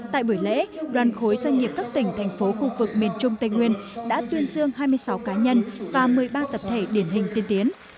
tại buổi lễ đoàn khối doanh nghiệp các tỉnh thành phố khu vực miền trung tây nguyên đã tuyên dương hai mươi sáu cá nhân và một mươi ba tập thể điển hình tiên tiến